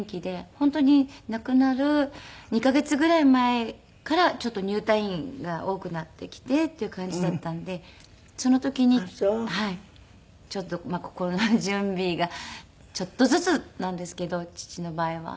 本当に亡くなる２カ月ぐらい前からちょっと入退院が多くなってきてっていう感じだったんでその時に心の準備がちょっとずつなんですけど父の場合は。